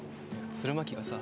弦巻がさ